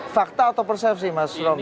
fakta atau persepsi mas romy